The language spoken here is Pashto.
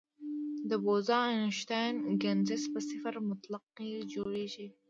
د بوز-اینشټاین کنډنسیټ په صفر مطلق کې جوړېږي.